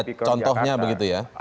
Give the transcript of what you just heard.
jadi sudah ada contohnya begitu ya